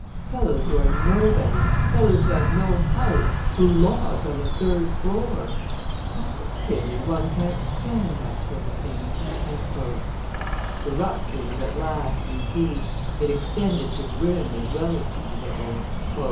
Fellows who are nobody, fellows who have no house, who lodge on a third floor! Positively, one can't stand that sort of thing!" The rupture was at last complete, it extended to Grimm as well as to Diderot.